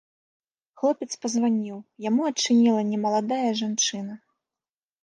Хлопец пазваніў, яму адчыніла немаладая жанчына.